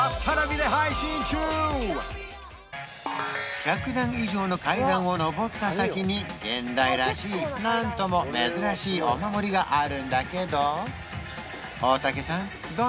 １００段以上の階段を上った先に現代らしい何とも珍しいお守りがあるんだけど大竹さん